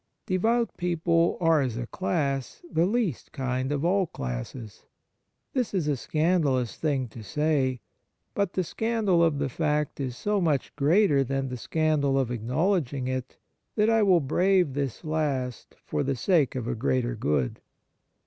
Devout people are, as a class, the least kind of all classes. This is a scandalous thing to say ; but the scandal of the fact is so much greater than the scandal of acknowledging it, that I will brave this last for the sake of a greater good.